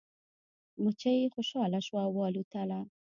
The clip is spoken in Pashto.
مچۍ خوشحاله شوه او والوتله.